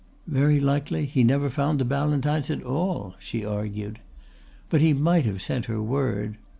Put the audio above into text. "Very likely he never found the Ballantynes at all," she argued. But he might have sent her word.